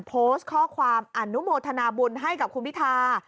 โพสต์ข้อความอนุโมทนาบุญให้กับคุณพิธา